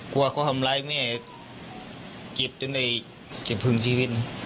กลัวเขาทำร้ายแม่เจ็บจนได้เจ็บพึงชีวิตนะ